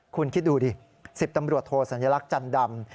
คุณคิดดูดิ๑๐ตำรวจโทสัญลักษณ์จันดำ